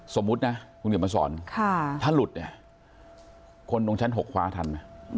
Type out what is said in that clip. สมมุตินะคุณเขียนมาสอนถ้าหลุดเนี่ยคนตรงชั้น๖คว้าทันไหม